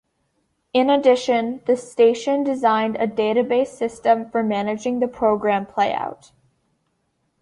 In addition, the station designed a database system for managing the program playout.